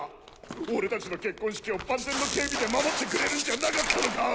俺たちの結婚式を万全の警備で守ってくれるんじゃなかったのか？